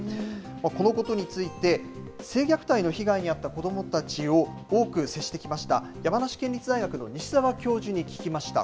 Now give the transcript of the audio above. このことについて、性虐待の被害に遭った子どもたちと多く接してきました山梨県立大学の西澤教授に聞きました。